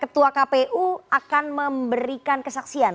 ketua kpu akan memberikan kesaksian